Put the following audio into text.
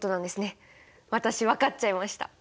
私分かっちゃいました！